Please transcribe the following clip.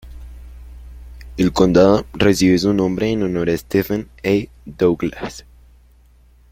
El condado recibe su nombre en honor a Stephen A. Douglas.